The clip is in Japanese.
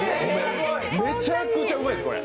めちゃくちゃうまいです！